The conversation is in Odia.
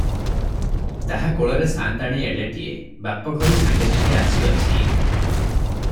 ତାହା କୋଳରେ ସାଆନ୍ତାଣୀ ଏଡ଼େଟିଏ, ବାପଘରୁ ସାଙ୍ଗେ ସାଙ୍ଗେ ଆସିଅଛି ।